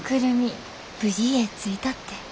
無事家着いたって。